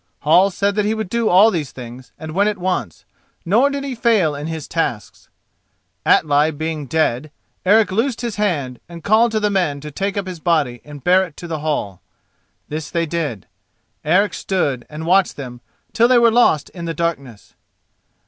Hall said that he would do all these things, and went at once; nor did he fail in his tasks. Atli being dead, Eric loosed his hand and called to the men to take up his body and bear it to the hall. This they did. Eric stood and watched them till they were lost in the darkness.